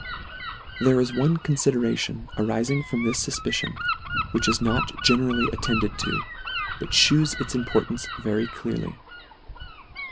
There is one confideration arifing from this fufpicion, which is not generally attended to, but fhews its importance very clearly.